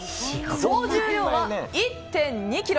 総重量は１．２ｋｇ。